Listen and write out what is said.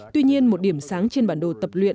tuy nhiên một điểm sáng trên bản đồ tập luyện